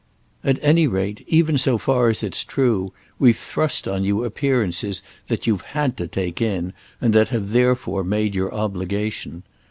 At any rate, even so far as it's true, we've thrust on you appearances that you've had to take in and that have therefore made your obligation.